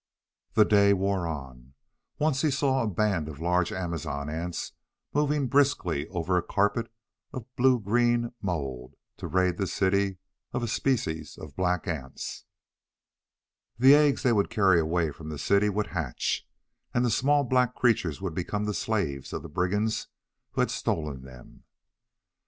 The day wore on. Once, he saw a band of large amazon ants moving briskly over a carpet of blue green mould to raid the city of a species of black ants. The eggs they would carry away from the city would hatch and the small black creatures would become the slaves of the brigands who had stolen them.